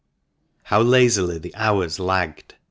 How lazily the hours lagged